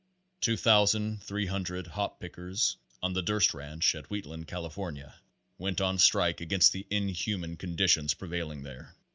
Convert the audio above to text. Two thousand three hundred hop pickers on the Durst Ranch at Wheatland, California, went on strike against the inhuman conditions prevailing there.